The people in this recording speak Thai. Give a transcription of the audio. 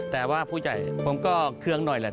แต่ว่าผู้ใหญ่ผมก็เครื่องหน่อยแหละ